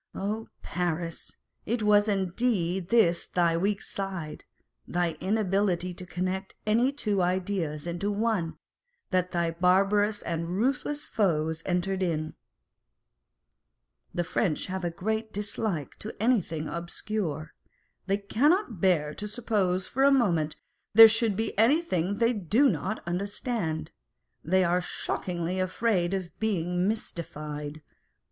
Oh, Paris! it was indeed on this thy weak side (thy inability to connect any two ideas into one) that thy barbarous and ruthless foes entered in ! The French have a great dislike to anything obscure. They cannot bear to suppose for a moment there should be anything they do not understand : they are shockingly afraid of being mystified.